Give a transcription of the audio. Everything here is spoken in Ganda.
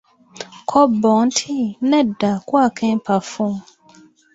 Kko bo nti, nedda kwako empafu.